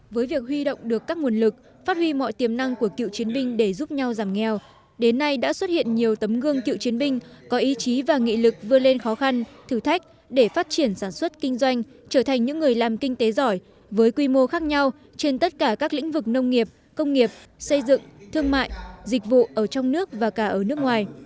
với việc huy động được các nguồn lực phát huy mọi tiềm năng của cựu chiến binh để giúp nhau giảm nghèo đến nay đã xuất hiện nhiều tấm gương cựu chiến binh có ý chí và nghị lực vươn lên khó khăn thử thách để phát triển sản xuất kinh doanh trở thành những người làm kinh tế giỏi với quy mô khác nhau trên tất cả các lĩnh vực nông nghiệp công nghiệp xây dựng thương mại dịch vụ ở trong nước và cả ở nước ngoài